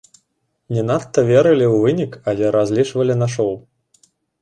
Не надта верылі ў вынік, але разлічвалі на шоў.